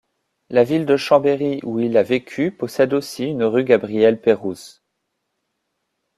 La ville de Chambéry où il a vécu possède aussi une rue Gabriel Pérouse.